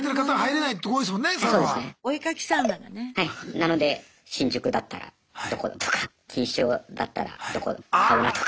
なので新宿だったらどことか錦糸町だったらどこのサウナとか。